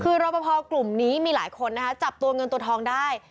คือรอปภกลุ่มนี้มีหลายคนนะคะจับตัวเงินตัวทองได้